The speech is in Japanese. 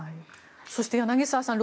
そして、柳澤さん